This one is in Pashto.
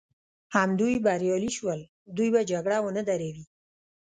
همدوی بریالي شول، دوی به جګړه ونه دروي.